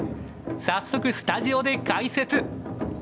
早速スタジオで解説！